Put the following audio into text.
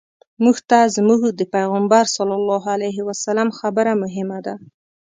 موږ ته زموږ د پیغمبر صلی الله علیه وسلم خبره مهمه ده.